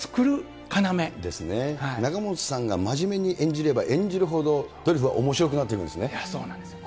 仲本さんが真面目に演じれば演じるほど、ドリフはおもしろくなっそうなんですよ。